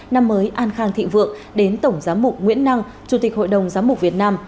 năm mới an khang thịnh vượng đến tổng giám mục nguyễn năng chủ tịch hội đồng giám mục việt nam